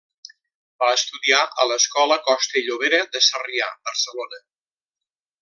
Va estudiar a l’escola Costa i Llobera de Sarrià, Barcelona.